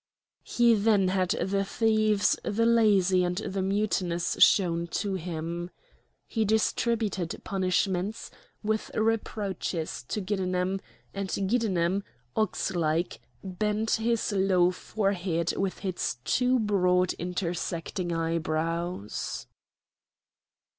He then had the thieves, the lazy, and the mutinous shown to him. He distributed punishments, with reproaches to Giddenem; and Giddenem, ox like, bent his low forehead, with its two broad intersecting eyebrows.